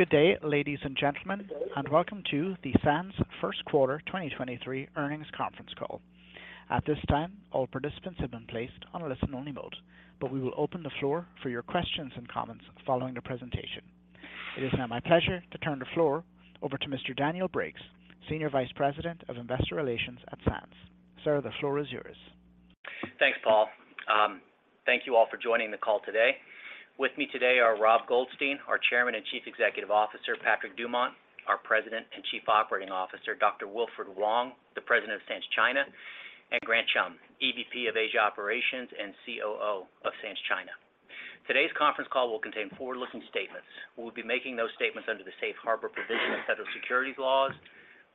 Good day, ladies and gentlemen, and welcome to the Sands First Quarter 2023 Earnings Conference Call. At this time, all participants have been placed on a listen-only mode, but we will open the floor for your questions and comments following the presentation. It is now my pleasure to turn the floor over to Mr. Daniel Briggs, Senior Vice President of Investor Relations at Sands. Sir, the floor is yours. Thanks, Paul. Thank you all for joining the call today. With me today are Rob Goldstein, our Chairman and Chief Executive Officer, Patrick Dumont, our President and Chief Operating Officer, Dr. Wilfred Wong, the President of Sands China, and Grant Chum, EVP of Asia Operations and COO of Sands China. Today's conference call will contain forward-looking statements. We'll be making those statements under the safe harbor provision of federal securities laws.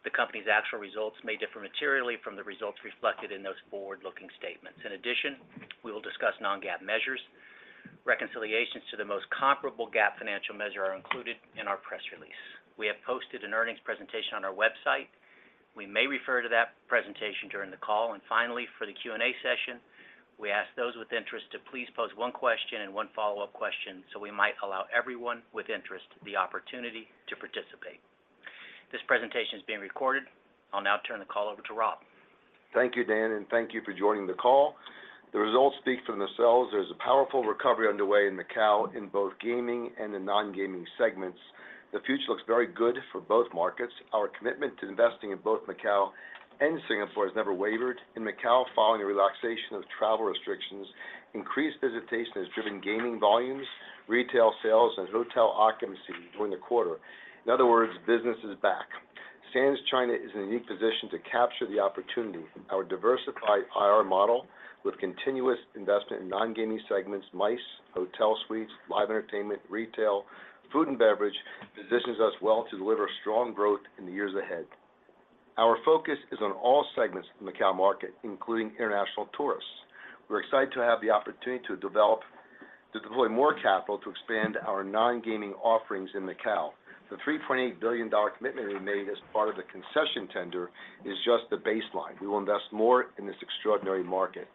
The company's actual results may differ materially from the results reflected in those forward-looking statements. In addition, we will discuss non-GAAP measures. Reconciliations to the most comparable GAAP financial measure are included in our press release. We have posted an earnings presentation on our website. We may refer to that presentation during the call. Finally, for the Q&A session, we ask those with interest to please pose one question and one follow-up question so we might allow everyone with interest the opportunity to participate. This presentation is being recorded. I'll now turn the call over to Rob. Thank you, Dan, and thank you for joining the call. The results speak from themselves. There's a powerful recovery underway in Macao in both gaming and the non-gaming segments. The future looks very good for both markets. Our commitment to investing in both Macao and Singapore has never wavered. In Macao, following a relaxation of travel restrictions, increased visitation has driven gaming volumes, retail sales, and hotel occupancy during the quarter. In other words, business is back. Sands China is in a unique position to capture the opportunity. Our diversified IR model with continuous investment in non-gaming segments, MICE, hotel suites, live entertainment, retail, food, and beverage, positions us well to deliver strong growth in the years ahead. Our focus is on all segments of Macao market, including international tourists. We're excited to have the opportunity to develop to deploy more capital to expand our non-gaming offerings in Macao. The $3.8 billion commitment we made as part of the concession tender is just the baseline. We will invest more in this extraordinary market.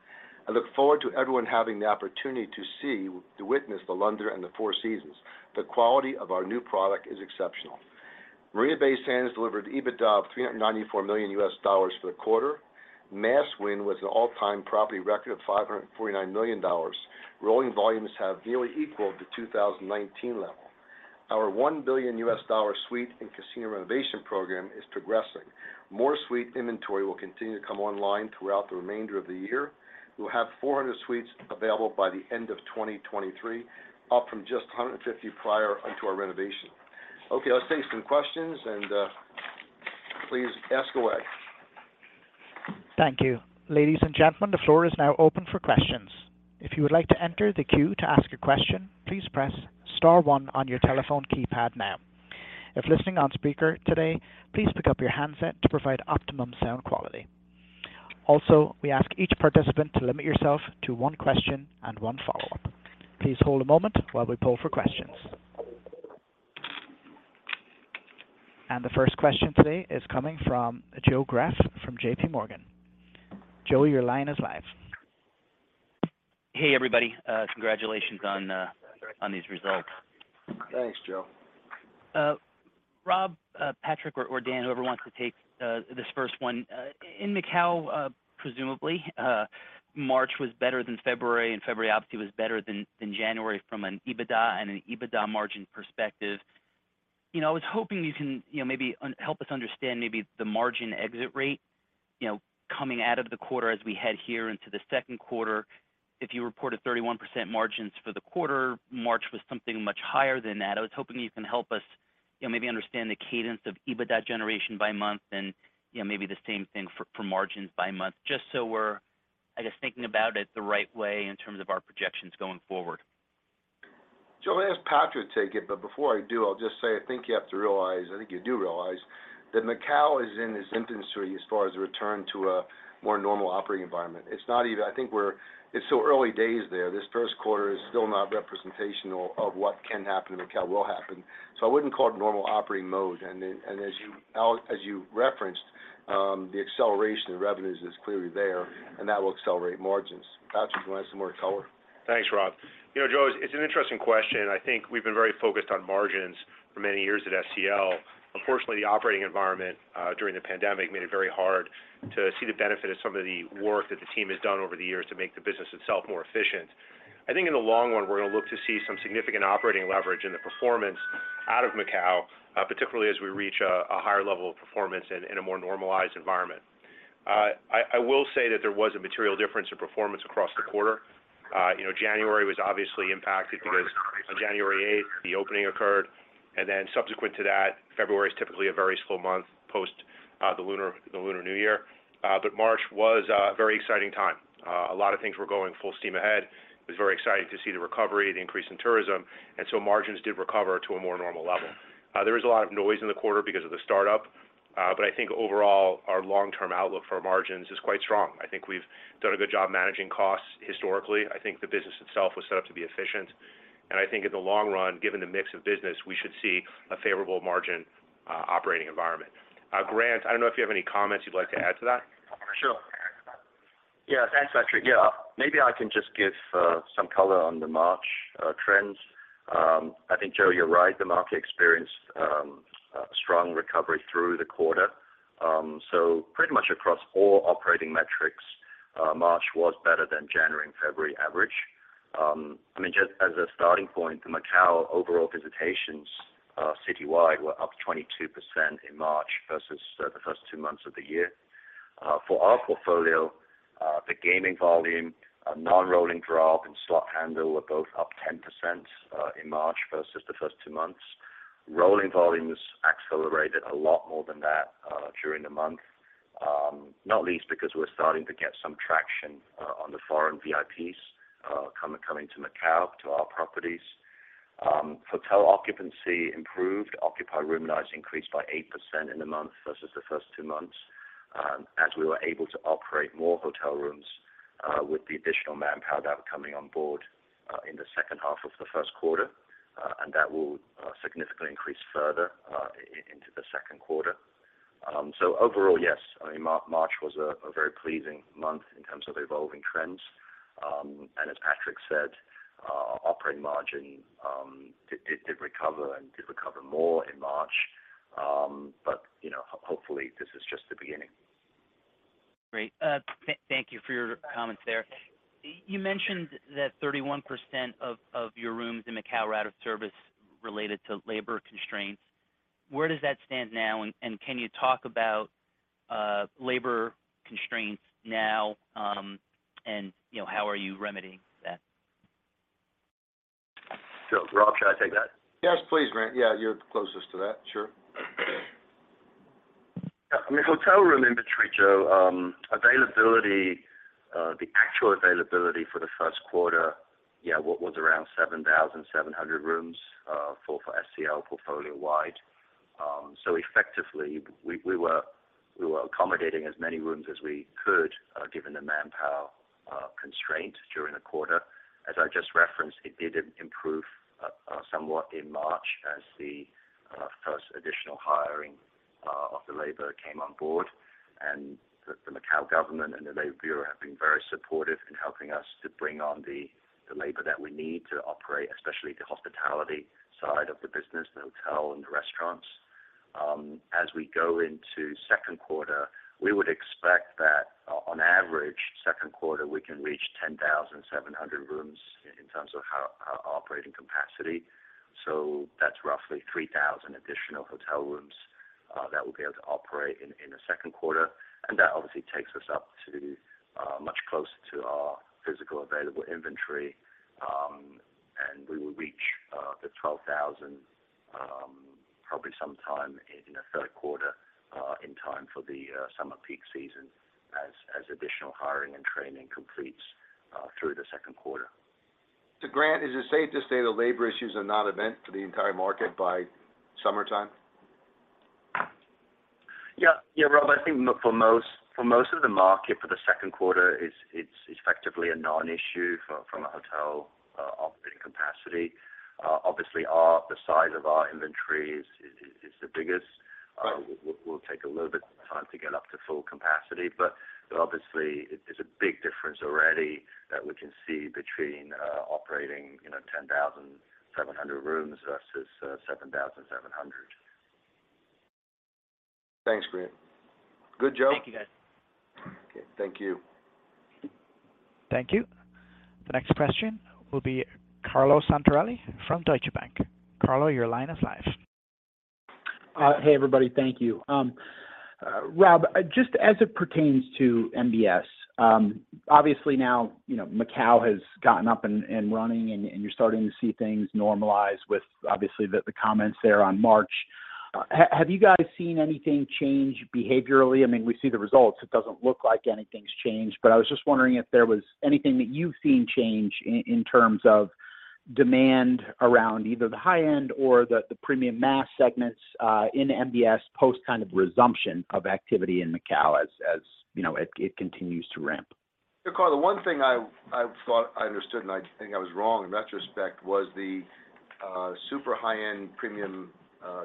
I look forward to everyone having the opportunity to see, to witness The Londoner and The Four Seasons. The quality of our new product is exceptional. Marina Bay Sands delivered EBITDA of $394 million for the quarter. Mass win was an all-time property record of $549 million. Rolling volumes have nearly equaled the 2019 level. Our $1 billion suite and casino renovation program is progressing. More suite inventory will continue to come online throughout the remainder of the year. We'll have 400 suites available by the end of 2023, up from just 150 prior onto our renovation. Okay, let's take some questions, and, please ask away. Thank you. Ladies and gentlemen, the floor is now open for questions. If you would like to enter the queue to ask a question, please press star one on your telephone keypad now. If listening on speaker today, please pick up your handset to provide optimum sound quality. We ask each participant to limit yourself to one question and one follow-up. Please hold a moment while we pull for questions. The first question today is coming from Joe Greff from J.P. Morgan. Joe, your line is live. Hey, everybody. Congratulations on these results. Thanks, Joe. Rob, Patrick, or Dan, whoever wants to take this first one. In Macao, presumably, March was better than February, and February obviously was better than January from an EBITDA and an EBITDA margin perspective. You know, I was hoping you can, you know, maybe help us understand maybe the margin exit rate, you know, coming out of the quarter as we head here into the second quarter. If you reported 31% margins for the quarter, March was something much higher than that. I was hoping you can help us, you know, maybe understand the cadence of EBITDA generation by month and, you know, maybe the same thing for margins by month, just so we're, I guess, thinking about it the right way in terms of our projections going forward. Joe, I'm gonna ask Patrick to take it, but before I do, I'll just say, I think you have to realize, I think you do realize that Macao is in its infancy as far as a return to a more normal operating environment. It's still early days there. This first quarter is still not representational of what can happen in Macao will happen. I wouldn't call it normal operating mode. As you referenced, the acceleration in revenues is clearly there, and that will accelerate margins. Patrick, do you want to add some more color? Thanks, Rob. You know, Joe, it's an interesting question, and I think we've been very focused on margins for many years at SCL. Unfortunately, the operating environment during the pandemic made it very hard to see the benefit of some of the work that the team has done over the years to make the business itself more efficient. I think in the long run, we're gonna look to see some significant operating leverage in the performance out of Macao, particularly as we reach a higher level of performance in a more normalized environment. I will say that there was a material difference in performance across the quarter. You know, January was obviously impacted because on January eighth, the opening occurred. Then subsequent to that, February is typically a very slow month post the Lunar New Year. March was a very exciting time. A lot of things were going full steam ahead. It was very exciting to see the recovery, the increase in tourism. Margins did recover to a more normal level. There was a lot of noise in the quarter because of the startup. I think overall, our long-term outlook for margins is quite strong. I think we've done a good job managing costs historically. I think the business itself was set up to be efficient. I think in the long run, given the mix of business, we should see a favorable margin, operating environment. Grant, I don't know if you have any comments you'd like to add to that. Sure. Yeah. Thanks, Patrick. Maybe I can just give some color on the March trends. I think, Joe, you're right. The market experienced a strong recovery through the quarter. Pretty much across all operating metrics, March was better than January and February average. I mean, just as a starting point, the Macao overall visitations citywide were up 22% in March versus the first two months of the year. For our portfolio, the gaming volume, non-rolling drop, and slot handle were both up 10% in March versus the first two months. Rolling volumes accelerated a lot more than that during the month, not least because we're starting to get some traction on the foreign VIPs coming to Macao to our properties. Hotel occupancy improved. Occupied room nights increased by 8% in the month versus the first two months, as we were able to operate more hotel rooms, with the additional manpower that were coming on board, in the second half of the first quarter, and that will significantly increase further into the second quarter. Overall, yes, I mean, March was a very pleasing month in terms of evolving trends. As Patrick said, operating margin did recover and did recover more in March. You know, hopefully, this is just the beginning. Great. Thank you for your comments there. You mentioned that 31% of your rooms in Macao were out of service related to labor constraints. Where does that stand now? Can you talk about labor constraints now, and, you know, how are you remedying that? Rob, should I take that? Yes, please, Grant. Yeah, you're the closest to that. Sure. I mean, hotel room inventory, Joe, availability, the actual availability for the first quarter, yeah, was around 7,700 rooms for SCL portfolio-wide. Effectively, we were accommodating as many rooms as we could given the manpower constraint during the quarter. As I just referenced, it did improve somewhat in March as the first additional hiring of the labor came on board. The Macao government and the Labour Affairs Bureau have been very supportive in helping us to bring on the labor that we need to operate, especially the hospitality side of the business, the hotel and the restaurants. As we go into second quarter, we would expect that on average, second quarter, we can reach 10,700 rooms in terms of our operating capacity. That's roughly 3,000 additional hotel rooms that will be able to operate in the second quarter. That obviously takes us up to much closer to our physical available inventory, and we will reach the 12,000 probably sometime in the third quarter in time for the summer peak season as additional hiring and training completes through the second quarter. Grant, is it safe to say the labor issues are non-event to the entire market by summertime? Yeah. Yeah, Rob, I think for most of the market, for the second quarter, it's effectively a non-issue from a hotel operating capacity. Obviously, the size of our inventory is the biggest. Right. We'll take a little bit of time to get up to full capacity, but obviously, it's a big difference already that we can see between operating, you know, 10,700 rooms versus 7,700. Thanks, Grant. Good, Joe? Thank you, guys. Okay. Thank you. Thank you. The next question will be Carlo Santarelli from Deutsche Bank. Carlo, your line is live. Hey, everybody. Thank you. Rob, just as it pertains to MBS, obviously now, you know, Macao has gotten up and running, and you're starting to see things normalize with obviously the comments there on March. Have you guys seen anything change behaviorally? I mean, we see the results. It doesn't look like anything's changed, but I was just wondering if there was anything that you've seen change in terms of demand around either the high end or the premium mass segments in MBS post kind of resumption of activity in Macao as, you know, it continues to ramp? Carlo, one thing I thought I understood, and I think I was wrong in retrospect, was the super high-end premium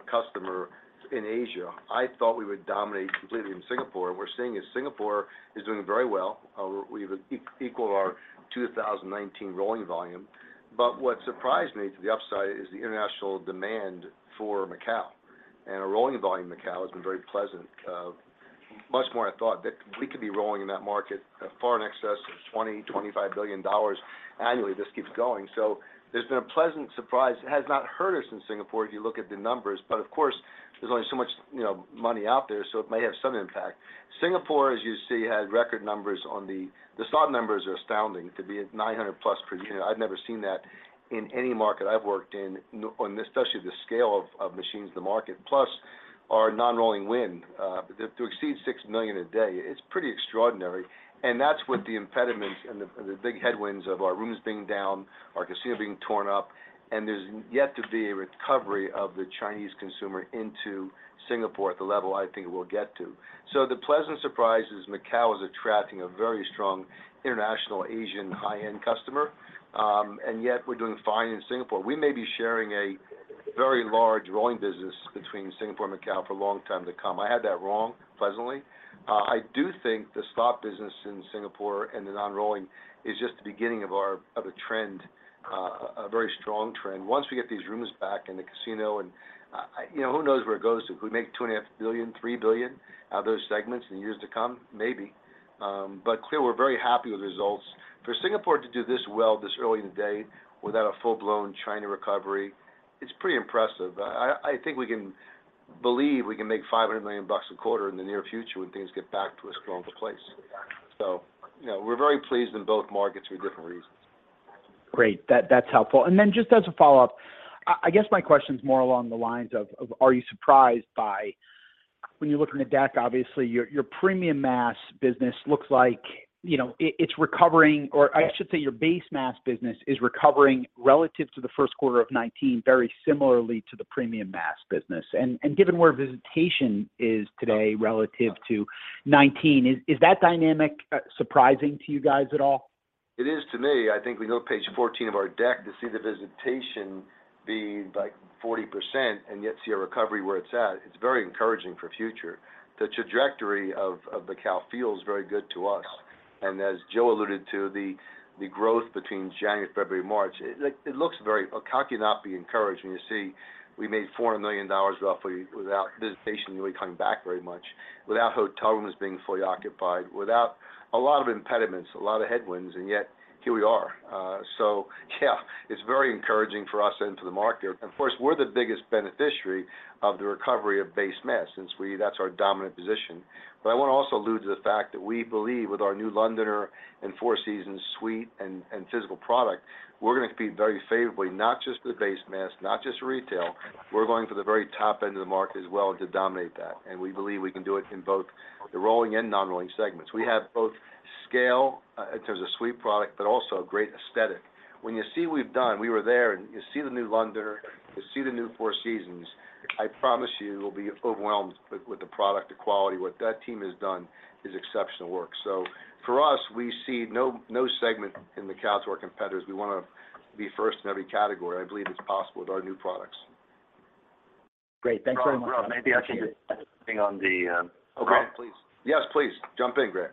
customer in Asia. I thought we would dominate completely in Singapore. What we're seeing is Singapore is doing very well. We've equaled our 2019 rolling volume. What surprised me to the upside is the international demand for Macao. Our rolling volume in Macao has been very pleasant, much more I thought. That we could be rolling in that market, far in excess of $20 billion-$25 billion annually if this keeps going. There's been a pleasant surprise. It has not hurt us in Singapore if you look at the numbers, but of course, there's only so much, you know, money out there, so it may have some impact. Singapore, as you see, had record numbers. The slot numbers are astounding to be at 900 plus per unit. I've never seen that in any market I've worked in, on especially the scale of machines in the market, plus our non-rolling win to exceed $6 million a day, it's pretty extraordinary. That's with the impediments and the big headwinds of our rooms being down, our casino being torn up, and there's yet to be a recovery of the Chinese consumer into Singapore at the level I think we'll get to. The pleasant surprise is Macao is attracting a very strong international Asian high-end customer, and yet we're doing fine in Singapore. We may be sharing a very large rolling business between Singapore and Macao for a long time to come. I had that wrong, pleasantly. I do think the slot business in Singapore and the non-rolling is just the beginning of a trend, a very strong trend. Once we get these rooms back in the casino and, you know, who knows where it goes, if we make $2.5 billion-$3 billion out of those segments in years to come, maybe. Clearly we're very happy with the results. For Singapore to do this well this early in the day without a full-blown China recovery, it's pretty impressive. I think we can believe we can make $500 million a quarter in the near future when things get back to a stronger place. You know, we're very pleased in both markets for different reasons. Great. That's helpful. Then just as a follow-up, I guess my question is more along the lines of are you surprised by when you're looking at Macao, obviously your premium mass business looks like, you know, it's recovering or I should say your base mass business is recovering relative to the first quarter of 2019, very similarly to the premium mass business. Given where visitation is today relative to 2019, is that dynamic surprising to you guys at all? It is to me. I think we go to page 14 of our deck to see the visitation being like 40% and yet see a recovery where it's at. It's very encouraging for future. The trajectory of Macao feels very good to us. As Joe alluded to the growth between January, February, March, Macao cannot be encouraged when you see we made $400 million roughly without visitation really coming back very much, without hotel rooms being fully occupied, without a lot of impediments, a lot of headwinds, and yet here we are. Yeah, it's very encouraging for us and to the market. Of course, we're the biggest beneficiary of the recovery of base mass since that's our dominant position. I want to also allude to the fact that we believe with our new Londoner and Four Seasons suite and physical product, we're going to compete very favorably, not just with base mass, not just retail. We're going for the very top end of the market as well to dominate that. We believe we can do it in both the rolling and non-rolling segments. We have both scale in terms of suite product, but also great aesthetic. When you see what we've done, we were there, and you see the new Londoner, you see the new Four Seasons. I promise you will be overwhelmed with the product, the quality. What that team has done is exceptional work. For us, we see no segment in Macao to our competitors. We wanna be first in every category. I believe it's possible with our new products. Great. Thanks very much. Rob, maybe I can get something on the— Okay. Please. Yes, please. Jump in, Grant.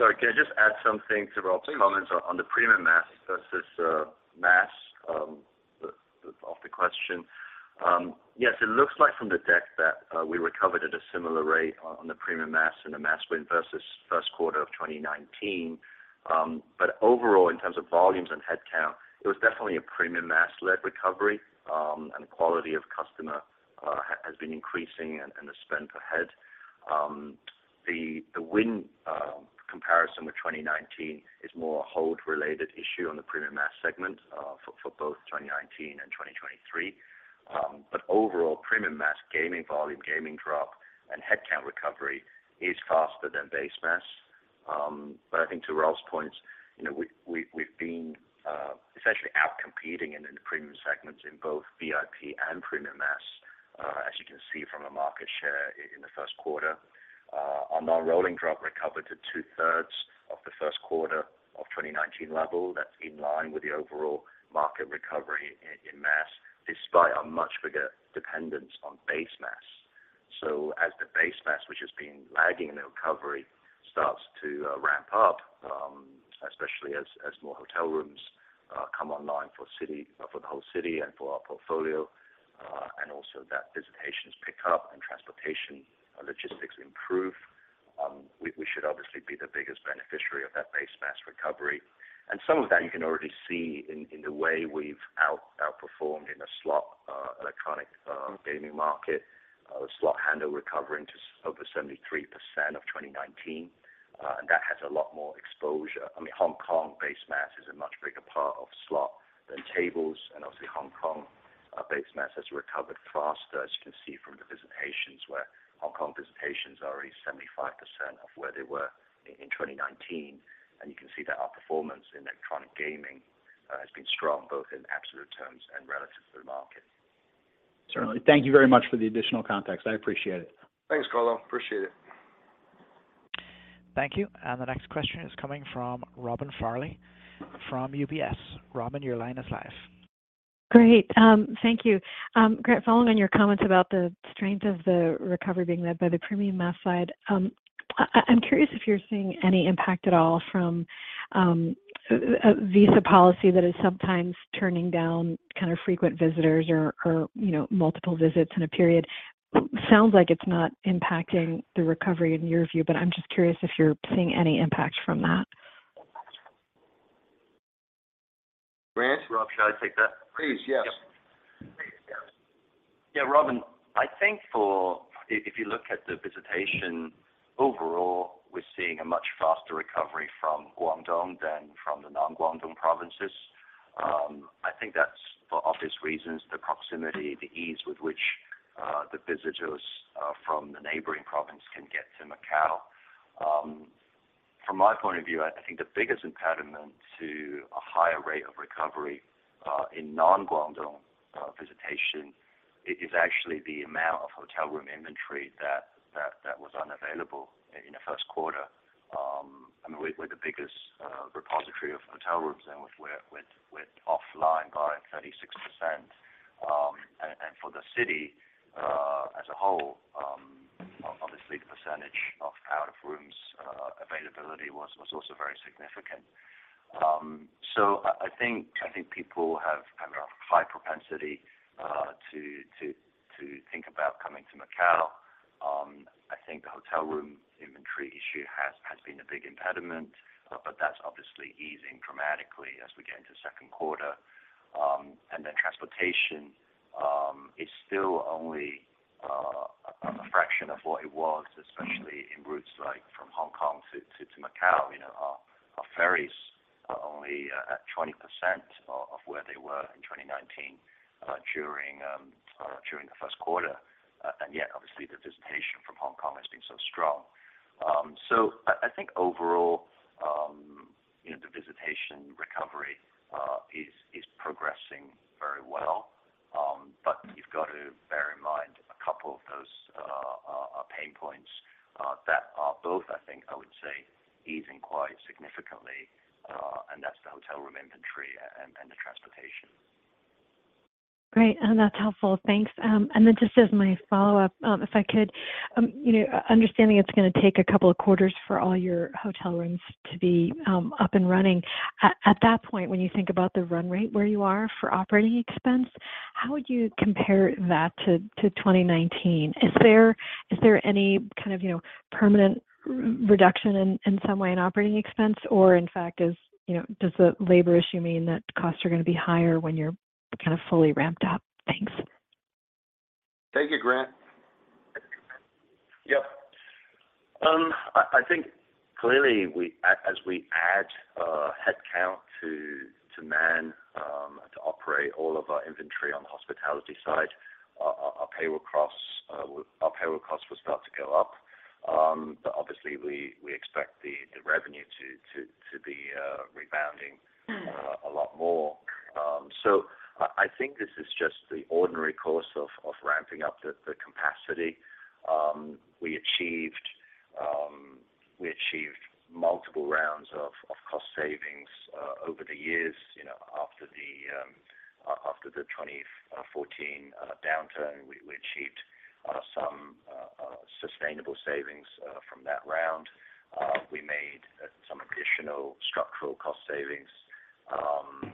Sorry. Can I just add something to Rob's comments on the premium mass versus mass of the question? Yes, it looks like from the deck that we recovered at a similar rate on the premium mass and the mass win versus first quarter of 2019. Overall, in terms of volumes and headcount, it was definitely a premium mass-led recovery, and quality of customer has been increasing and the spend per head. The win comparison with 2019 is more a hold related issue on the premium mass segment for both 2019 and 2023. Overall, premium mass gaming volume, gaming drop, and headcount recovery is faster than base mass. I think to Rob's point, you know, we've been essentially outcompeting in the premium segments in both VIP and premium mass, as you can see from a market share in the first quarter. Our non-rolling drop recovered to two-thirds of the first quarter of 2019 level. That's in line with the overall market recovery in mass, despite our much bigger dependence on base mass. As the base mass, which has been lagged in the recovery, starts to ramp up, especially as more hotel rooms come online for city, for the whole city and for our portfolio, and also that visitations pick up and transportation logistics improve, we should obviously be the biggest beneficiary of that base mass recovery. Some of that you can already see in the way we've outperformed in the slot, electronic, gaming market, slot handle recovering to over 73% of 2019. That has a lot more exposure. I mean, Hong Kong base mass is a much bigger part of slot than tables. Obviously, Hong Kong base mass has recovered faster, as you can see from the visitations, where Hong Kong visitations are already 75% of where they were in 2019. You can see that our performance in electronic gaming has been strong, both in absolute terms and relative to the market. Certainly. Thank you very much for the additional context. I appreciate it. Thanks, Carlo. Appreciate it. Thank you. The next question is coming from Robin Farley from UBS. Robin, your line is live. Great. Thank you. Grant, following on your comments about the strength of the recovery being led by the premium mass side, I'm curious if you're seeing any impact at all from a visa policy that is sometimes turning down kind of frequent visitors or, you know, multiple visits in a period. Sounds like it's not impacting the recovery in your view, but I'm just curious if you're seeing any impact from that. Grant? Rob, shall I take that? Please, yes. Yeah, Robin, I think if you look at the visitation overall, we're seeing a much faster recovery from Guangdong than from the non-Guangdong provinces. I think that's for obvious reasons, the proximity, the ease with which the visitors from the neighboring province can get to Macao. From my point of view, I think the biggest impediment to a higher rate of recovery in non-Guangdong, it is actually the amount of hotel room inventory that was unavailable in the first quarter. I mean, we're the biggest repository of hotel rooms and with offline volume 36%. For the city as a whole, obviously the percentage of out of rooms availability was also very significant. I think people have kind of high propensity to think about coming to Macao. I think the hotel room inventory issue has been a big impediment, but that's obviously easing dramatically as we get into second quarter. Transportation is still only a fraction of what it was, especially in routes like from Hong Kong to Macao. You know, our ferries are only at 20% of where they were in 2019 during the first quarter. Obviously, the visitation from Hong Kong has been so strong. Overall, you know, the visitation recovery is progressing very well. You've got to bear in mind a couple of those pain points that are both, I think, I would say, easing quite significantly, and that's the hotel room inventory and the transportation. Great. That's helpful. Thanks. Just as my follow-up, if I could, you know, understanding it's gonna take a couple of quarters for all your hotel rooms to be up and running. At that point, when you think about the run rate where you are for operating expense, how would you compare that to 2019? Is there any kind of, you know, permanent reduction in some way in operating expense? In fact, is, you know, does the labor issue mean that costs are gonna be higher when you're kind of fully ramped up? Thanks. Thank you, Grant. Yep. I think clearly as we add headcount to man, to operate all of our inventory on the hospitality side, our payroll costs will start to go up. Obviously we expect the revenue to be rebounding a lot more. I think this is just the ordinary course of ramping up the capacity. We achieved multiple rounds of cost savings over the years, you know, after the 2014 downturn. We achieved some sustainable savings from that round. We made some additional structural cost savings on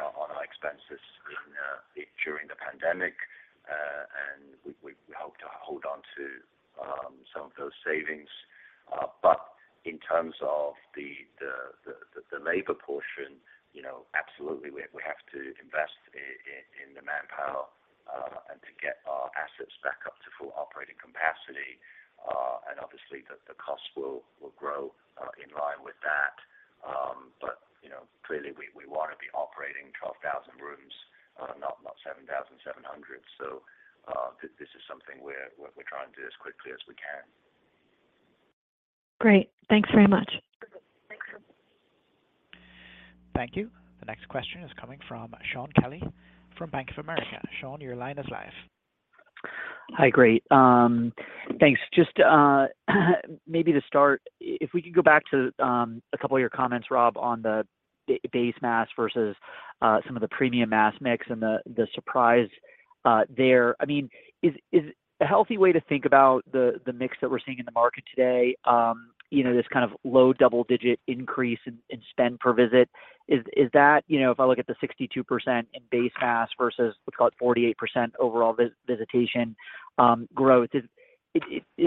our expenses during the pandemic. We hope to hold on to some of those savings. In terms of the labor portion, you know, absolutely, we have to invest in the manpower, and to get our assets back up to full operating capacity. Obviously the costs will grow in line with that. You know, clearly we wanna be operating 12,000 rooms, not 7,700. This is something we're trying to do as quickly as we can. Great. Thanks very much. Thank you. The next question is coming from Shaun Kelley from Bank of America. Shaun, your line is live. Hi, great. Thanks. Just maybe to start, if we could go back to a couple of your comments, Rob, on the base mass versus some of the premium mass mix and the surprise there. I mean, is a healthy way to think about the mix that we're seeing in the market today, you know, this kind of low double-digit increase in spend per visit is that, you know, if I look at the 62% in base mass versus we call it 48% overall visitation growth, is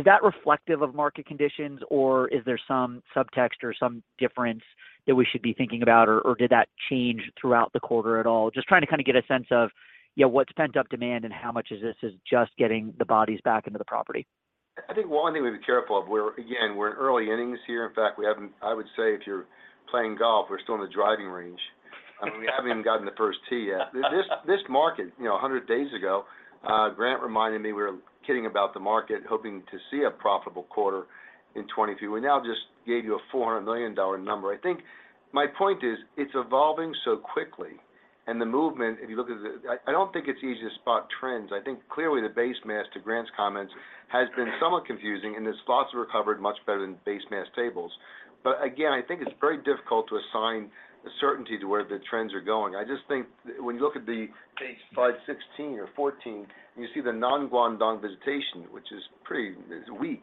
that reflective of market conditions, or is there some subtext or some difference that we should be thinking about, or did that change throughout the quarter at all? Just trying to kind of get a sense of, you know, what's pent-up demand and how much of this is just getting the bodies back into the property. I think one thing we have to be careful of, we're again, we're in early innings here. In fact, we haven't. I would say if you're playing golf, we're still in the driving range. I mean, we haven't even gotten the first tee yet. This market, you know, 100 days ago, Grant reminded me we were kidding about the market, hoping to see a profitable quarter in 2022. We now just gave you a $400 million number. I think my point is, it's evolving so quickly and the movement, if you look at the. I don't think it's easy to spot trends. I think clearly the base mass, to Grant's comments, has been somewhat confusing, and the slots have recovered much better than base mass tables. Again, I think it's very difficult to assign a certainty to where the trends are going. I just think when you look at the page 516 or 14, you see the non-Guangdong visitation, which is pretty weak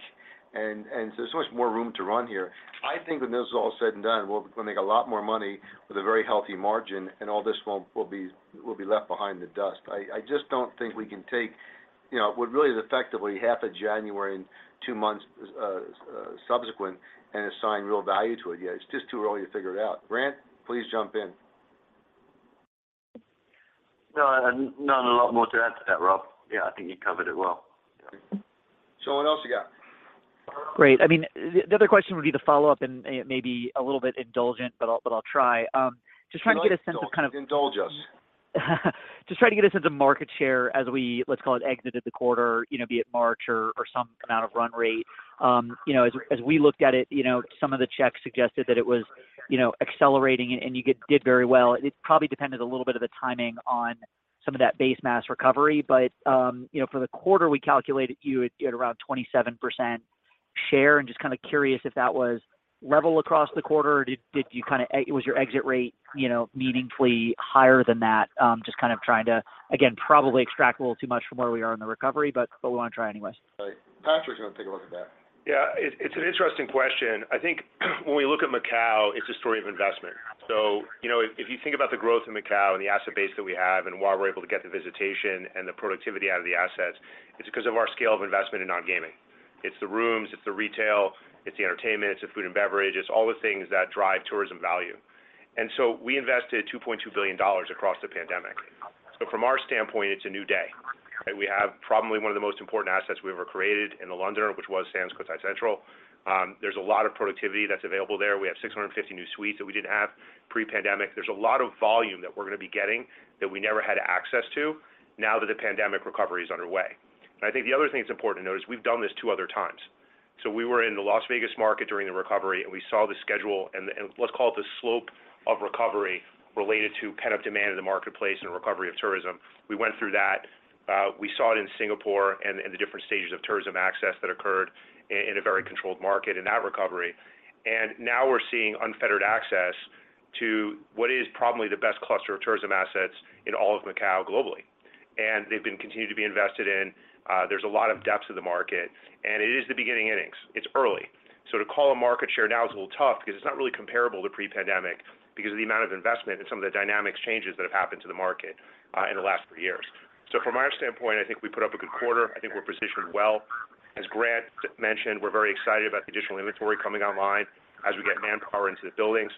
and so there's much more room to run here. I think when this is all said and done, we're gonna make a lot more money with a very healthy margin, and all this will be left behind the dust. I just don't think we can take, you know, what really is effectively half of January and two months subsequent and assign real value to it yet. It's just too early to figure it out. Grant, please jump in. No. Not a lot more to add to that, Rob. Yeah, I think you covered it well. What else you got? Great. I mean, the other question would be to follow up and it may be a little bit indulgent, but I'll try. Just trying to get a sense of kind of. Indulge us. Just trying to get a sense of market share as we, let's call it, exited the quarter, you know, be it March or some amount of run rate. You know, as we looked at it, you know, some of the checks suggested that it was accelerating it and you did very well. It probably depended a little bit of the timing on some of that base mass recovery. You know, for the quarter, we calculated you had around 27% share. Just kind of curious if that was level across the quarter or did you kind of, was your exit rate, you know, meaningfully higher than that? Just kind of trying to, again, probably extract a little too much from where we are in the recovery, but we want to try anyways. Right. Patrick's gonna take a look at that. Yeah. It's an interesting question. I think when we look at Macao, it's a story of investment. You know, if you think about the growth in Macao and the asset base that we have and why we're able to get the visitation and the productivity out of the assets, it's because of our scale of investment in nongaming. It's the rooms, it's the retail, it's the entertainment, it's the food and beverage, it's all the things that drive tourism value. We invested $2.2 billion across the pandemic. From our standpoint, it's a new day, right? We have probably one of the most important assets we ever created in The Londoner, which was Sands Cotai Central. There's a lot of productivity that's available there. We have 650 new suites that we didn't have pre-pandemic. There's a lot of volume that we're gonna be getting that we never had access to now that the pandemic recovery is underway. I think the other thing that's important to note is we've done this two other times. We were in the Las Vegas market during the recovery, and we saw the schedule and let's call it the slope of recovery related to pent-up demand in the marketplace and recovery of tourism. We went through that. We saw it in Singapore and the different stages of tourism access that occurred in a very controlled market in that recovery. Now we're seeing unfettered access to what is probably the best cluster of tourism assets in all of Macao globally. They've been continued to be invested in. There's a lot of depth to the market, and it is the beginning innings. It's early. To call a market share now is a little tough because it's not really comparable to pre-pandemic because of the amount of investment and some of the dynamics changes that have happened to the market in the last three years. From our standpoint, I think we put up a good quarter. I think we're positioned well. As Grant mentioned, we're very excited about the additional inventory coming online as we get manpower into the buildings.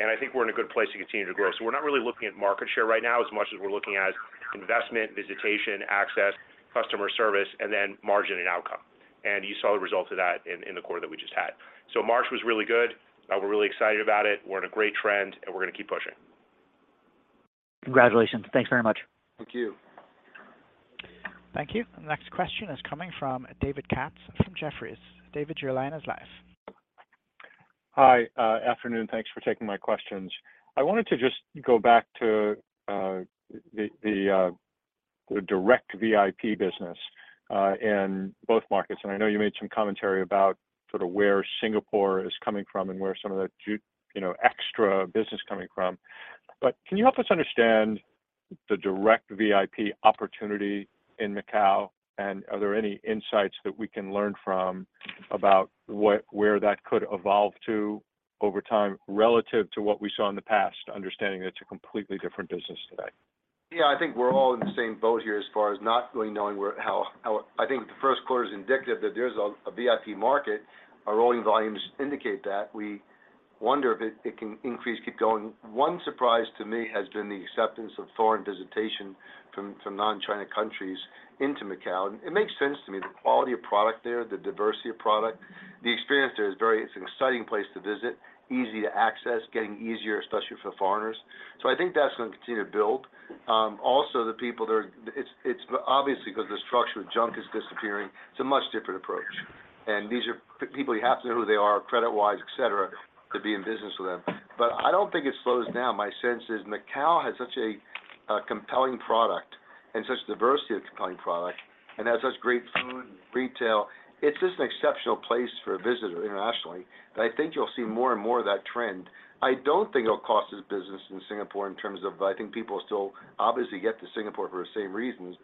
I think we're in a good place to continue to grow. We're not really looking at market share right now as much as we're looking at investment, visitation, access, customer service, and then margin and outcome. You saw the results of that in the quarter that we just had. March was really good. We're really excited about it. We're in a great trend, and we're gonna keep pushing. Congratulations. Thanks very much. Thank you. Thank you. The next question is coming from David Katz from Jefferies. David, your line is live. Hi. Afternoon. Thanks for taking my questions. I wanted to just go back to the direct VIP business in both markets. I know you made some commentary about sort of where Singapore is coming from and where some of the you know, extra business is coming from. Can you help us understand the direct VIP opportunity in Macao? Are there any insights that we can learn from about where that could evolve to over time relative to what we saw in the past, understanding that it's a completely different business today? I think we're all in the same boat here as far as not really knowing where, how... I think the first quarter is indicative that there's a VIP market. Our rolling volumes indicate that. We wonder if it can increase, keep going. One surprise to me has been the acceptance of foreign visitation from non-China countries into Macao, and it makes sense to me. The quality of product there, the diversity of product, the experience there is very. It's an exciting place to visit, easy to access, getting easier, especially for foreigners. I think that's gonna continue to build. Also the people that are. It's obviously because the structure of junk is disappearing, it's a much different approach. These are people you have to know who they are credit wise, et cetera, to be in business with them. I don't think it slows down. My sense is Macao has such a compelling product and such diversity of compelling product, and has such great food and retail. It's just an exceptional place for a visitor internationally, that I think you'll see more and more of that trend. I don't think it'll cost us business in Singapore in terms of, I think people still obviously get to Singapore for the same reasons.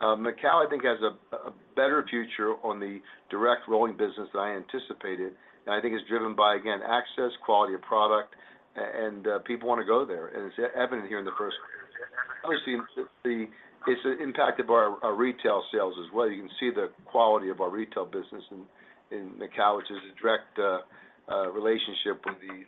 Macao, I think has a better future on the direct rolling business than I anticipated. I think it's driven by, again, access, quality of product, and people wanna go there. It's evident here in the first quarter. Obviously, it's impacted our retail sales as well. You can see the quality of our retail business in Macao, which is a direct relationship with the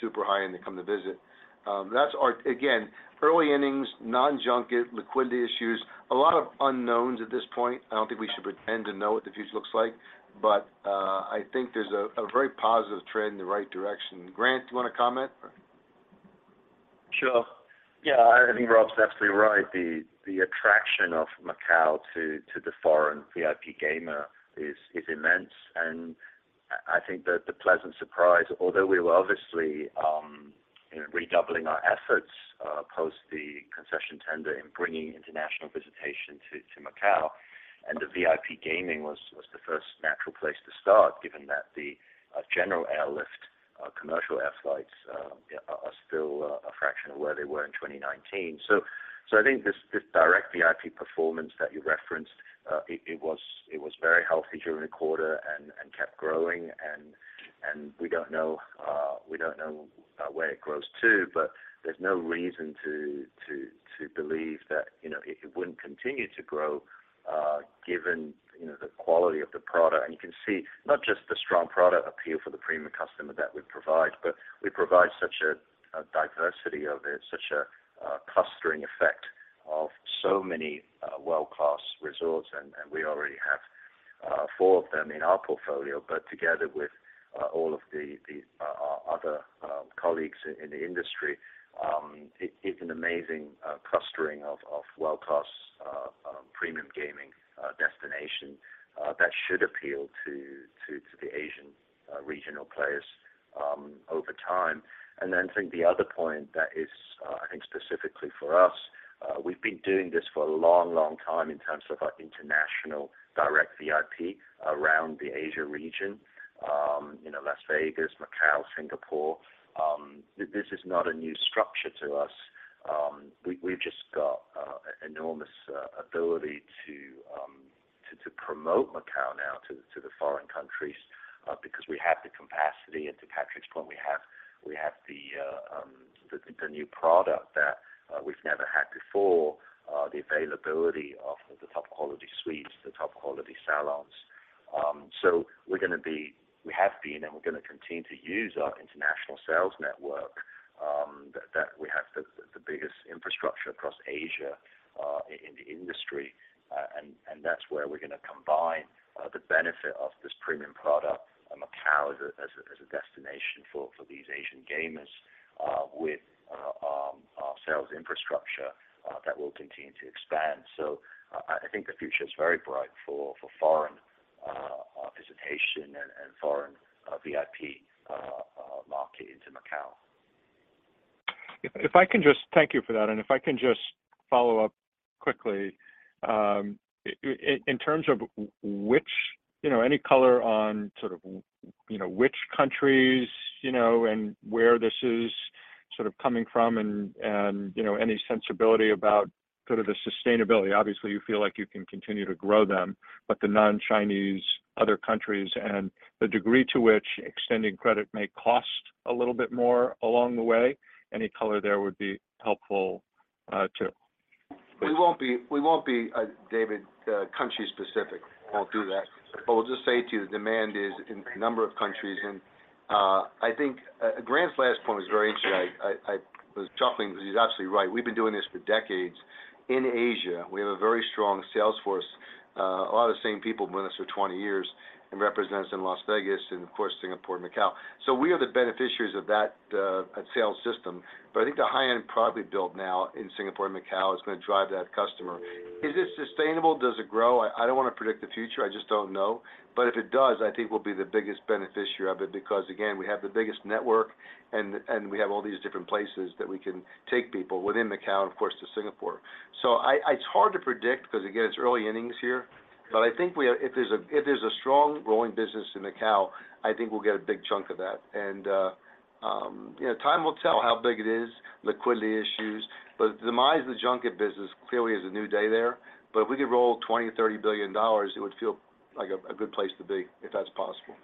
super high-end that come to visit. That's our, again, early innings, non-junket, liquidity issues, a lot of unknowns at this point. I don't think we should pretend to know what the future looks like. I think there's a very positive trend in the right direction. Grant, do you wanna comment? Sure. Yeah, I think Rob's absolutely right. The attraction of Macao to the foreign VIP gamer is immense. I think that the pleasant surprise, although we were obviously redoubling our efforts post the concession tender in bringing international visitation to Macao, and the VIP gaming was the first natural place to start, given that the general airlift, commercial air flights, are still a fraction of where they were in 2019. I think this direct VIP performance that you referenced, it was very healthy during the quarter and kept growing. We don't know, we don't know where it grows to, but there's no reason to believe that, you know, it wouldn't continue to grow, given, you know, the quality of the product. You can see not just the strong product appeal for the premium customer that we provide, but we provide such a diversity of it, such a clustering effect of so many world-class resorts. We already have four of them in our portfolio. Together with all of the our other colleagues in the industry, it is an amazing clustering of world-class premium gaming destination that should appeal to Regional players over time. I think the other point that is, I think specifically for us, we've been doing this for a long, long time in terms of our international direct VIP around the Asia region. You know, Las Vegas, Macao, Singapore. This is not a new structure to us. We've just got enormous ability to promote Macao now to the foreign countries because we have the capacity. To Patrick's point, we have, we have the new product that we've never had before, the availability of the top quality suites, the top quality salons. We have been and we're gonna continue to use our international sales network that we have the biggest infrastructure across Asia in the industry. And that's where we're gonna combine the benefit of this premium product, Macao as a destination for these Asian gamers, with our sales infrastructure that will continue to expand. I think the future is very bright for foreign visitation and foreign VIP market into Macao. If I can just. Thank you for that. If I can just follow up quickly. In terms of which, you know, any color on sort of, you know, which countries, you know, and where this is sort of coming from and, you know, any sensibility about sort of the sustainability. Obviously, you feel like you can continue to grow them, but the non-Chinese other countries and the degree to which extending credit may cost a little bit more along the way. Any color there would be helpful, too. We won't be, we won't be David, country-specific. Won't do that. We'll just say to you the demand is in a number of countries. I think, Grant's last point was very interesting. I was chuckling because he's absolutely right. We've been doing this for decades. In Asia, we have a very strong sales force. A lot of the same people have been with us for 20 years and represents in Las Vegas and of course, Singapore and Macao. We are the beneficiaries of that sales system. I think the high-end product we built now in Singapore and Macao is gonna drive that customer. Is this sustainable? Does it grow? I don't wanna predict the future, I just don't know. If it does, I think we'll be the biggest beneficiary of it, because again, we have the biggest network and we have all these different places that we can take people within Macao, and of course, to Singapore. It's hard to predict because again, it's early innings here. I think we are if there's a strong growing business in Macao, I think we'll get a big chunk of that. you know, time will tell how big it is, liquidity issues. The demise of the junket business clearly is a new day there. If we could roll $20 billion-$30 billion, it would feel like a good place to be, if that's possible.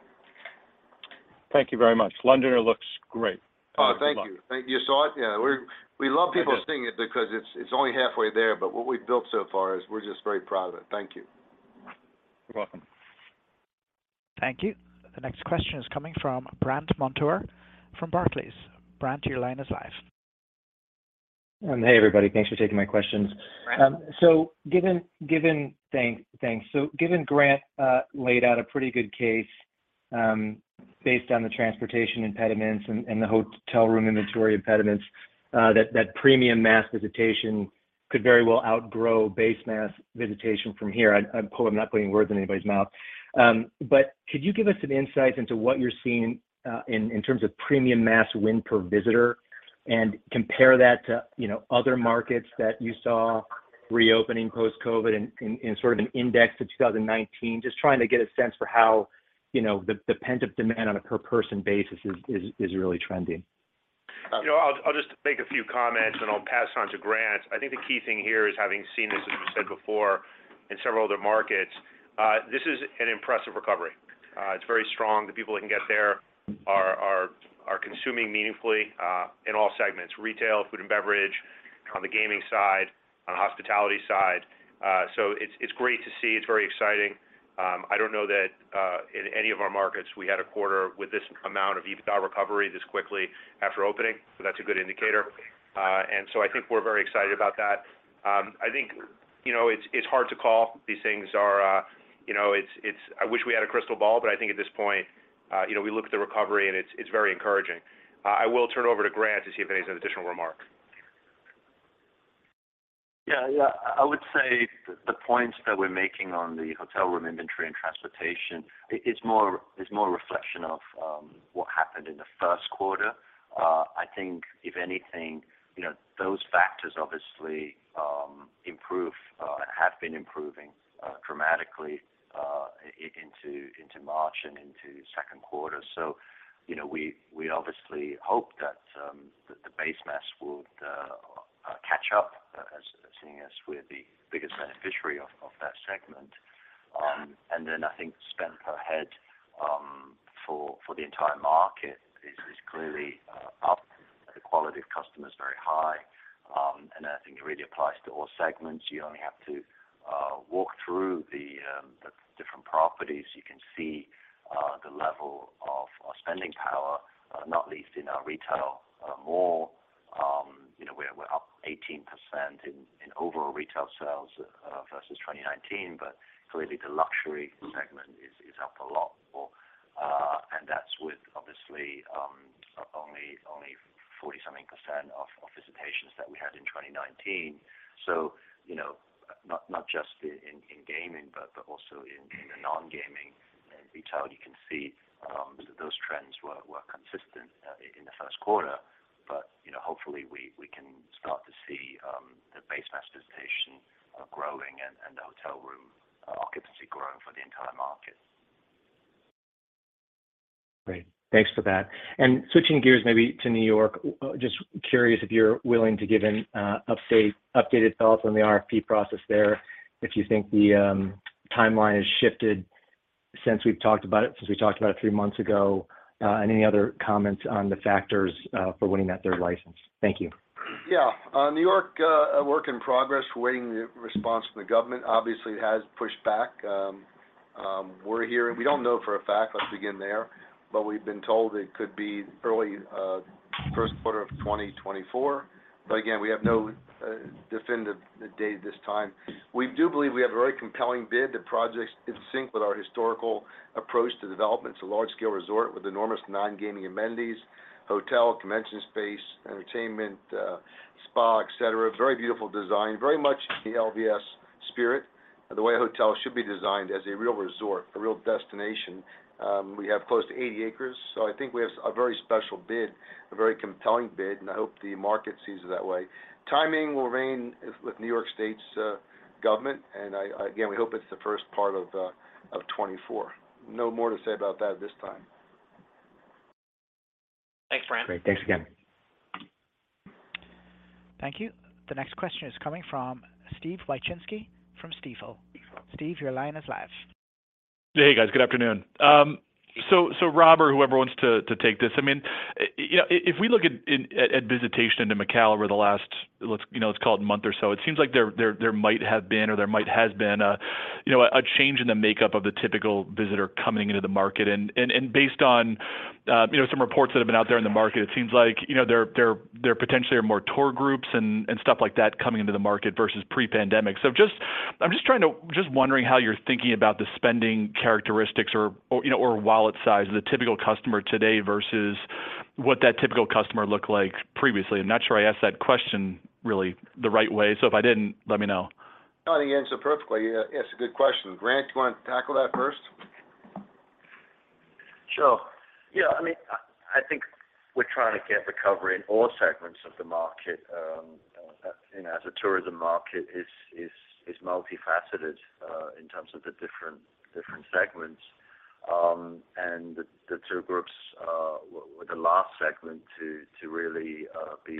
Thank you very much. Londoner looks great. Oh, thank you. Good luck. Thank you. You saw it? Yeah, we love people seeing it because it's only halfway there. What we've built so far is we're just very proud of it. Thank you. You're welcome. Thank you. The next question is coming from Brandt Montour from Barclays. Brandt, your line is live. Hey, everybody. Thanks for taking my questions. Hey Brandt. Thank—thanks. Given Grant laid out a pretty good case, based on the transportation impediments and the hotel room inventory impediments that premium mass visitation could very well outgrow base mass visitation from here. I hope I'm not putting words in anybody's mouth. Could you give us some insights into what you're seeing in terms of premium mass win per visitor and compare that to, you know, other markets that you saw reopening post-COVID in sort of an index to 2019? Trying to get a sense for how, you know, the pent-up demand on a per person basis is really trending. You know, I'll just make a few comments, and I'll pass it on to Grant. I think the key thing here is having seen this, as we said before, in several other markets, this is an impressive recovery. It's very strong. The people that can get there are consuming meaningfully in all segments. Retail, food and beverage, on the gaming side, on the hospitality side. It's great to see. It's very exciting. I don't know that in any of our markets we had a quarter with this amount of EBITDA recovery this quickly after opening, so that's a good indicator. I think we're very excited about that. I think, you know, it's hard to call. These things are, you know, it's I wish we had a crystal ball, but I think at this point, you know, we look at the recovery and it's very encouraging. I will turn it over to Grant to see if he has any additional remarks. Yeah. Yeah. I would say the points that we're making on the hotel room inventory and transportation is more a reflection of what happened in the first quarter. I think if anything, you know, those factors obviously improve, have been improving dramatically into March and into second quarter. You know, we obviously hope that the base mass would catch up as seeing as we're the biggest beneficiary of that segment. I think spend per head for the entire market is clearly up. The quality of customer is very high. I think it really applies to all segments. You only have to walk through the different properties. You can see the level of spending power, not least in our retail mall. You know, we're up 18% in overall retail sales versus 2019, but clearly the luxury segment is up a lot more. That's obviously, only 40-something% of visitations that we had in 2019. You know, not just in gaming, but also in the non-gaming and retail, you can see that those trends were consistent in the first quarter. You know, hopefully we can start to see the base mass visitation growing and the hotel room occupancy growing for the entire market. Great. Thanks for that. Switching gears maybe to New York, just curious if you're willing to give an updated thoughts on the RFP process there, if you think the timeline has shifted since we've talked about it three months ago, and any other comments on the factors for winning that third license. Thank you. Yeah. New York, a work in progress, waiting the response from the government. Obviously, it has pushed back. We don't know for a fact, let's begin there, we've been told it could be early first quarter of 2024. Again, we have no definitive date at this time. We do believe we have a very compelling bid. The project's in sync with our historical approach to development. It's a large scale resort with enormous non-gaming amenities, hotel, convention space, entertainment, spa, et cetera. Very beautiful design. Very much the LVS spirit, the way a hotel should be designed as a real resort, a real destination. We have close to 80 acres, I think we have a very special bid, a very compelling bid, and I hope the market sees it that way. Timing will reign with New York State's government, and I, again, we hope it's the first part of 2024. No more to say about that at this time. Thanks, Grant. Great. Thanks again. Thank you. The next question is coming from Steve Wieczynski from Stifel. Steve, your line is live. Hey, guys. Good afternoon. So Rob or whoever wants to take this. I mean, you know, if we look at visitation into Macao over the last, let's, you know, let's call it a month or so, it seems like there might have been or there might has been a, you know, a change in the makeup of the typical visitor coming into the market. Based on, you know, some reports that have been out there in the market, it seems like, you know, there potentially are more tour groups and stuff like that coming into the market versus pre-pandemic. I'm just wondering how you're thinking about the spending characteristics or, you know, or wallet size of the typical customer today versus what that typical customer looked like previously. I'm not sure I asked that question really the right way. If I didn't, let me know. No, I think you answered it perfectly. It's a good question. Grant, do you want to tackle that first? Sure. Yeah, I mean, I think we're trying to get recovery in all segments of the market, you know, as the tourism market is multifaceted in terms of the different segments. The tour groups were the last segment to really be,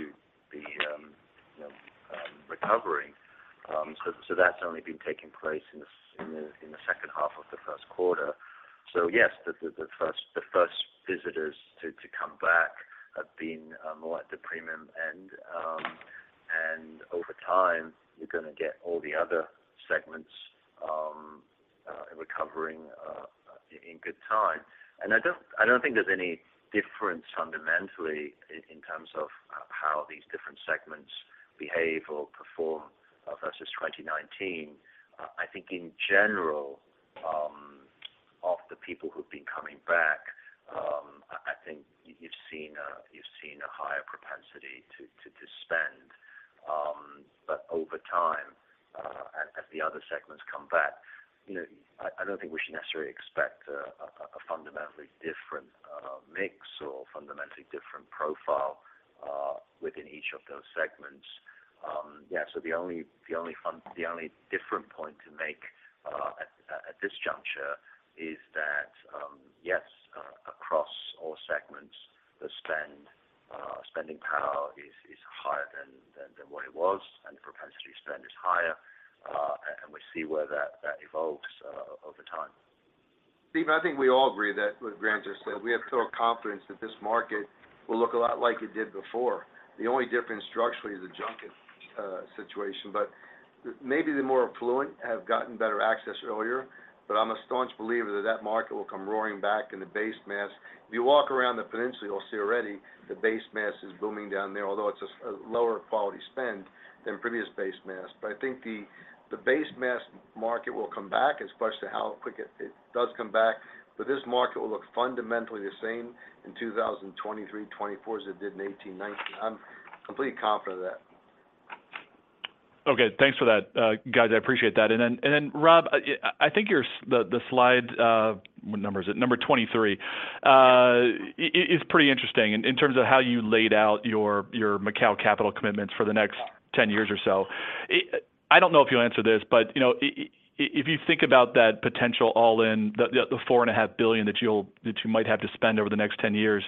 you know, recovering. That's only been taking place in the second half of the first quarter. Yes, the first visitors to come back have been more at the premium end. Over time, you're gonna get all the other segments recovering in good time. I don't think there's any difference fundamentally in terms of how these different segments behave or perform versus 2019. I think in general, of the people who've been coming back, I think you've seen a higher propensity to spend. Over time, as the other segments come back, you know, I don't think we should necessarily expect a fundamentally different mix or fundamentally different profile within each of those segments. The only different point to make at this juncture is that, yes, across all segments, the spending power is higher than what it was, and the propensity to spend is higher, we see where that evolves over time. Steve, I think we all agree that what Grant just said, we have total confidence that this market will look a lot like it did before. The only difference structurally is a junket situation. Maybe the more affluent have gotten better access earlier, I'm a staunch believer that that market will come roaring back in the base mass. If you walk around the Peninsula, you'll see already the base mass is booming down there, although it's a lower quality spend than previous base mass. I think the base mass market will come back. It's a question of how quick it does come back. This market will look fundamentally the same in 2023, 2024 as it did in 2018, 2019. I'm completely confident of that. Okay. Thanks for that, guys. I appreciate that. Then Rob, I think your the slide, what number is it? Number 23, is pretty interesting in terms of how you laid out your Macao capital commitments for the next 10 years or so. I don't know if you'll answer this, but, you know, if you think about that potential all-in, the four and a half billion that you might have to spend over the next 10 years,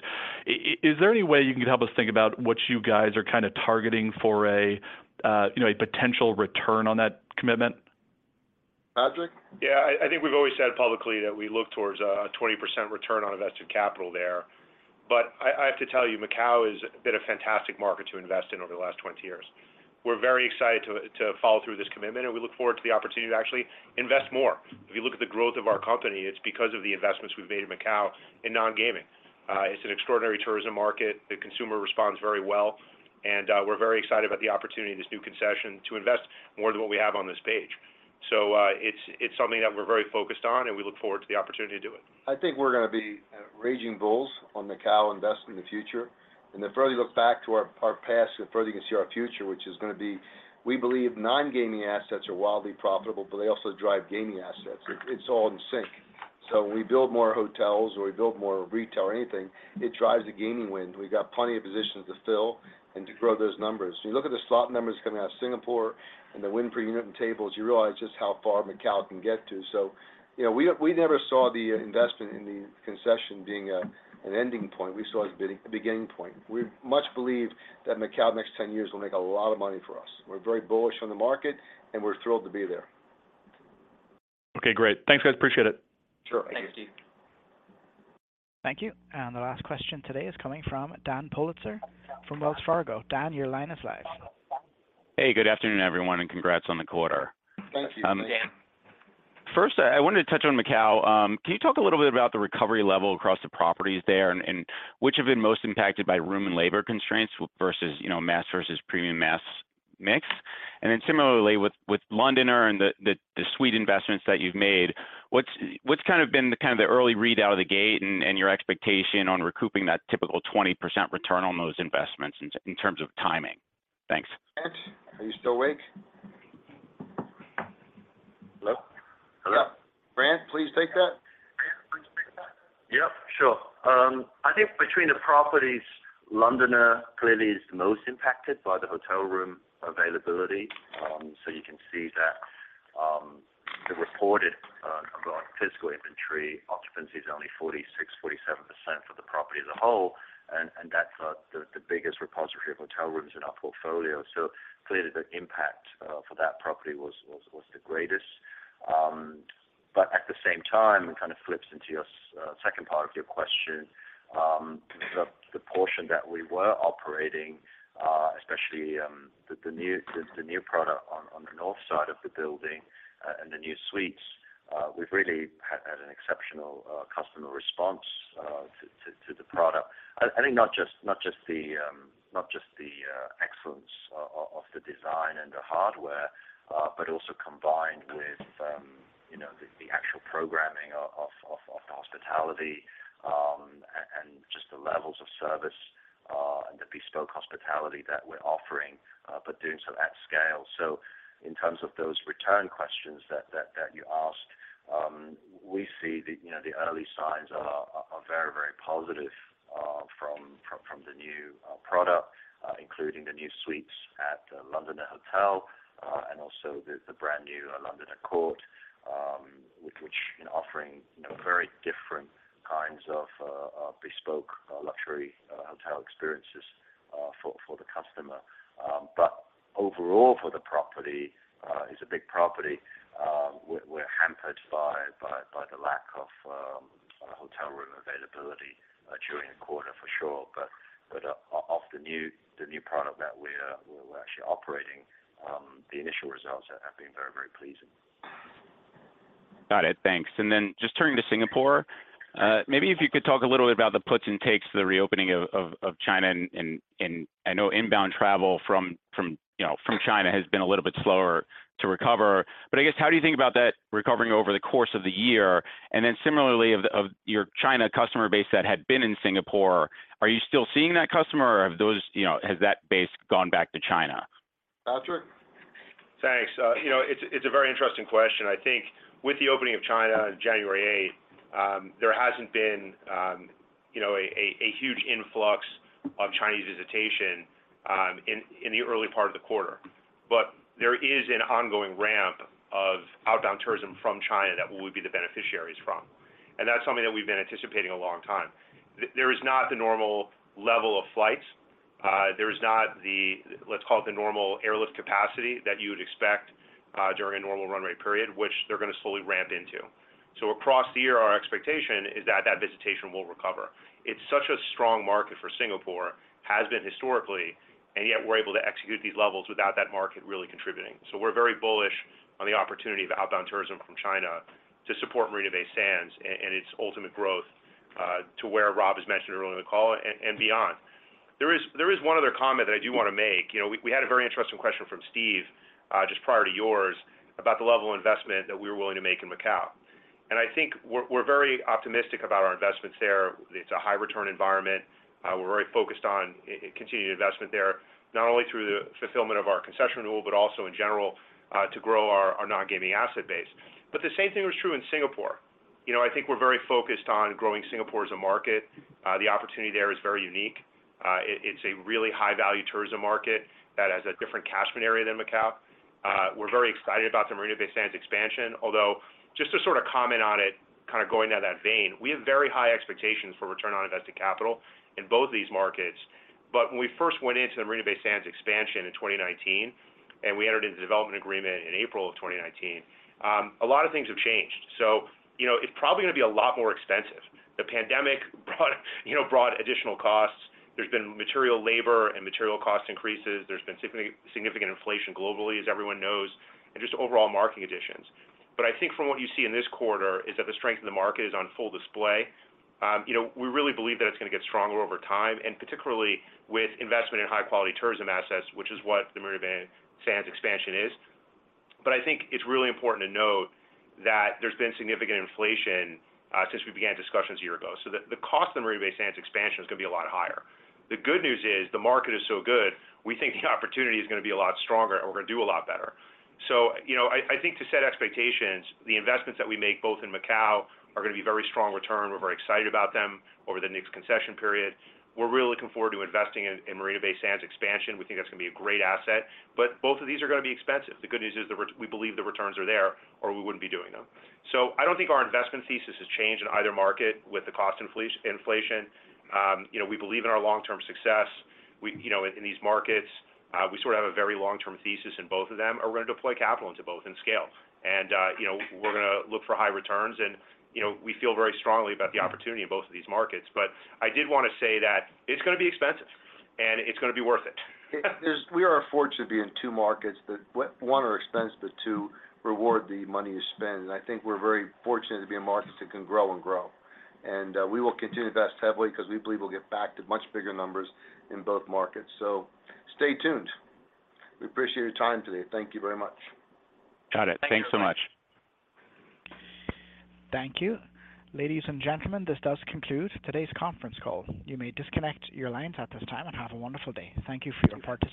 is there any way you can help us think about what you guys are kinda targeting for a, you know, a potential return on that commitment? Patrick? Yeah. I think we've always said publicly that we look towards a 20% return on invested capital there. I have to tell you, Macao is been a fantastic market to invest in over the last 20 years. We're very excited to follow through this commitment, we look forward to the opportunity to actually invest more. If you look at the growth of our company, it's because of the investments we've made in Macao in non-gaming. It's an extraordinary tourism market. The consumer responds very well, we're very excited about the opportunity in this new concession to invest more than what we have on this page. it's something that we're very focused on, we look forward to the opportunity to do it. I think we're gonna be raging bulls on Macao invest in the future. The further you look back to our past, the further you can see our future, which is gonna be, we believe non-gaming assets are wildly profitable, but they also drive gaming assets. It's all in sync. When we build more hotels or we build more retail or anything, it drives the gaming win. We've got plenty of positions to fill and to grow those numbers. You look at the slot numbers coming out of Singapore and the win per unit and tables, you realize just how far Macao can get to. You know, we never saw the investment in the concession being an ending point. We saw it as a beginning point. We much believe that Macao the next 10 years will make a lot of money for us. We're very bullish on the market, and we're thrilled to be there. Okay, great. Thanks, guys. Appreciate it. Sure. Thank you. Thanks, Steve. Thank you. The last question today is coming from Daniel Politzer from Wells Fargo. Dan, your line is live. Hey, good afternoon, everyone, and congrats on the quarter. Thank you, Dan. First I wanted to touch on Macao. Can you talk a little bit about the recovery level across the properties there and which have been most impacted by room and labor constraints versus, you know, mass versus premium mass mix? Similarly, with Londoner and the, the suite investments that you've made, what's kind of been the kind of the early read out of the gate and your expectation on recouping that typical 20% return on those investments in terms of timing? Thanks. Grant, are you still awake? Hello? Grant, please take that. Yeah, sure. I think between the properties, Londoner clearly is the most impacted by the hotel room availability. You can see that the reported physical inventory occupancy is only 46%-47% for the property as a whole, and that's the biggest repository of hotel rooms in our portfolio. Clearly the impact for that property was the greatest. At the same time, it kind of flips into your second part of your question, the portion that we were operating, especially the new product on the north side of the building, and the new suites, we've really had an exceptional customer response to the product. I think not just the excellence of the design and the hardware, but also combined with, you know, the actual programming of the hospitality, and just the levels of service, and the bespoke hospitality that we're offering, but doing so at scale. In terms of those return questions that you asked, we see the, you know, the early signs are very positive from the new product, including the new suites at The Londoner Hotel, and also the brand-new Londoner Court, which, you know, offering, you know, very different kinds of bespoke luxury hotel experiences for the customer. But overall for the property, it's a big property. We're hampered by the lack of hotel room availability during the quarter for sure. Off the new product that we're actually operating, the initial results have been very pleasing. Got it. Thanks. Just turning to Singapore, maybe if you could talk a little bit about the puts and takes the reopening of China and I know inbound travel from, you know, from China has been a little bit slower to recover. I guess, how do you think about that recovering over the course of the year? Similarly of your China customer base that had been in Singapore, are you still seeing that customer or have those, you know, has that base gone back to China? Patrick? Thanks. you know, it's a very interesting question. I think with the opening of China on January eighth, there hasn't been, you know, a huge influx of Chinese visitation in the early part of the quarter. There is an ongoing ramp of outbound tourism from China that we would be the beneficiaries from. That's something that we've been anticipating a long time. There is not the normal level of flights. There is not the, let's call it the normal airlift capacity that you would expect during a normal run rate period, which they're gonna slowly ramp into. Across the year, our expectation is that that visitation will recover. It's such a strong market for Singapore, has been historically, and yet we're able to execute these levels without that market really contributing. We're very bullish on the opportunity of outbound tourism from China to support Marina Bay Sands and its ultimate growth to where Rob has mentioned earlier in the call and beyond. There is one other comment that I do wanna make. You know, we had a very interesting question from Steve just prior to yours about the level of investment that we were willing to make in Macao. I think we're very optimistic about our investments there. It's a high return environment. We're very focused on continued investment there, not only through the fulfillment of our concession renewal, but also in general to grow our non-gaming asset base. The same thing was true in Singapore. You know, I think we're very focused on growing Singapore as a market. The opportunity there is very unique. It's a really high value tourism market that has a different catchment area than Macao. We're very excited about the Marina Bay Sands expansion, although just to sort of comment on it, kind of going down that vein, we have very high expectations for return on invested capital in both these markets. When we first went into the Marina Bay Sands expansion in 2019, and we entered into the development agreement in April of 2019, a lot of things have changed. You know, it's probably gonna be a lot more expensive. The pandemic brought, you know, brought additional costs. There's been material labor and material cost increases. There's been significant inflation globally, as everyone knows, and just overall market additions. I think from what you see in this quarter is that the strength of the market is on full display. You know, we really believe that it's gonna get stronger over time, and particularly with investment in high quality tourism assets, which is what the Marina Bay Sands expansion is. I think it's really important to note that there's been significant inflation since we began discussions a year ago. The cost of the Marina Bay Sands expansion is gonna be a lot higher. The good news is, the market is so good, we think the opportunity is gonna be a lot stronger and we're gonna do a lot better. You know, I think to set expectations, the investments that we make both in Macao are gonna be very strong return. We're very excited about them over the next concession period. We're really looking forward to investing in Marina Bay Sands expansion. We think that's gonna be a great asset. Both of these are gonna be expensive. The good news is we believe the returns are there or we wouldn't be doing them. I don't think our investment thesis has changed in either market with the cost inflation. you know, we believe in our long-term success. We, you know, in these markets, we sort of have a very long-term thesis in both of them, and we're gonna deploy capital into both and scale. you know, we're gonna look for high returns and, you know, we feel very strongly about the opportunity in both of these markets. I did wanna say that it's gonna be expensive and it's gonna be worth it. We are fortunate to be in two markets that, one, are expensive, but two, reward the money you spend. I think we're very fortunate to be in markets that can grow and grow. We will continue to invest heavily because we believe we'll get back to much bigger numbers in both markets. Stay tuned. We appreciate your time today. Thank you very much. Got it. Thanks so much. Thank you. Ladies and gentlemen, this does conclude today's conference call. You may disconnect your lines at this time, and have a wonderful day. Thank you for your participation.